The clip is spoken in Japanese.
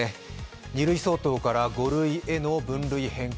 ２類相当から５類への分類変更。